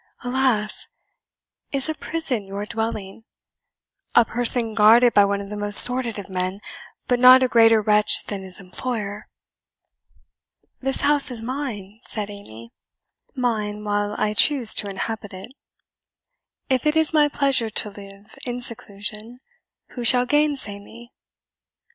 "Alas! is a prison your dwelling? a prison guarded by one of the most sordid of men, but not a greater wretch than his employer!" "This house is mine," said Amy "mine while I choose to inhabit it. If it is my pleasure to live in seclusion, who shall gainsay me?"